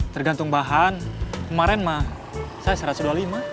tergantung bahan kemarin mah saya satu ratus dua puluh lima